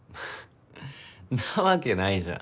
なわけないじゃん